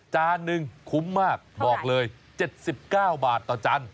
จานนึงคุ้มมากบอกเลย๗๙บาทต่อจาน